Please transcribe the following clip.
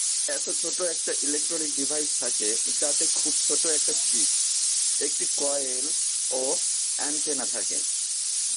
এতে ছোট একটি ইলেকট্রনিক ডিভাইস থাকে, যাতে খুব ছোট একটি চিপ, একটি কয়েল ও অ্যান্টেনা থাকে।